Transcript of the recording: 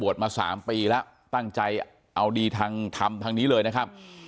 มา๓ปีแล้วตั้งใจเอาดีทางธรรมทางนี้เลยนะครับ